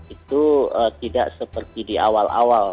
itu tidak seperti di awal awal